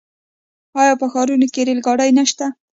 آیا په ښارونو کې ریل ګاډي نشته؟